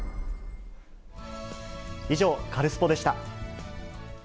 以上、カルスポっ！でした。